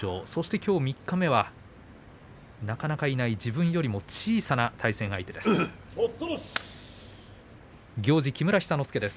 きょう三日目はなかなかいない、自分よりも小さな対戦相手です。